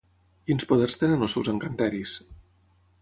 Quins poders tenen els seus encanteris?